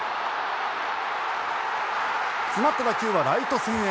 詰まった打球はライト線へ。